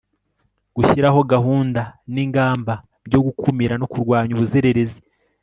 gushyiraho gahunda n'ingamba byo gukumira no kurwanya ubuzererezi